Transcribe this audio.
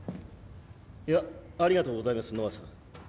いやありがとうございますノアさん。